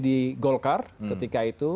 di golkar ketika itu